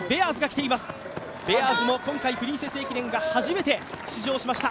ベアーズも今回プリンセス駅伝に初めて出場しました。